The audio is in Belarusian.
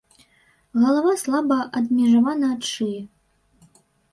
Галава слаба адмежавана ад шыі.